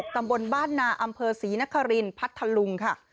ตำบลบ้านนาอำเภอศรีนครินพัทธลุงค่ะ